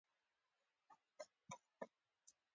احمده! پر دې خبره کاسه کېږده.